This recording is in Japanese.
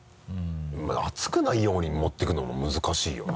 熱くないように持っていくのも難しいよな。